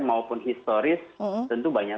maupun historis tentu banyak